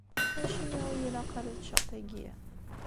Acimi ur yi-ilaq ara ad ččeɣ tagi?